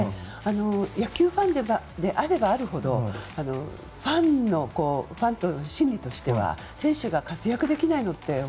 野球ファンであればあるほどファン心理としては選手が活躍できないのって